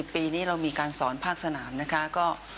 ปีนี้เรามีการสอนภาคสนามนะคะ